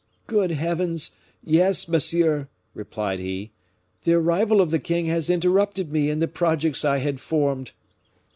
"Good heavens! yes, monsieur," replied he. "The arrival of the king has interrupted me in the projects I had formed."